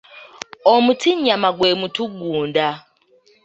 Omutinnyama gwe mutugunda.